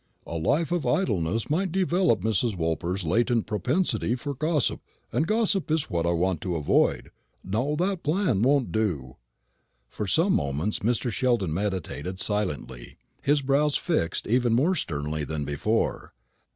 A life of idleness might develop Mrs. Woolper's latent propensity for gossip and gossip is what I want to avoid. No, that plan won't do." For some moments Mr. Sheldon meditated silently, with his brows fixed even more sternly than before.